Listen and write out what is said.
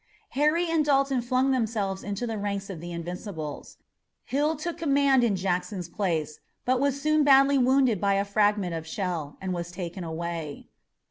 Harry and Dalton flung themselves into the ranks of the Invincibles. Hill took command in Jackson's place, but was soon badly wounded by a fragment of shell, and was taken away.